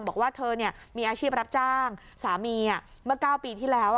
บอกว่าเธอมีอาชีพรับจ้างสามีเมื่อ๙ปีที่แล้ว